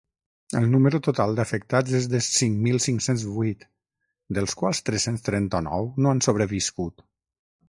El número total d’afectats és de cinc mil cinc-cents vuit, dels quals tres-cents trenta-nou no han sobreviscut.